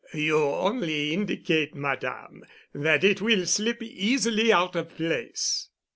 "You only indicate, Madame, that it will slip easily out of place."